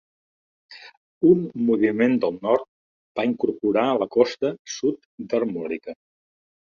Un moviment del nord va incorporar la costa sud d'Armòrica.